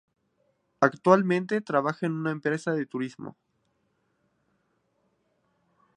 Actualmente trabaja en una empresa de turismo.